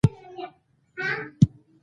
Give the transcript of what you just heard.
بیا دې یې په ټولګي کې ووايي.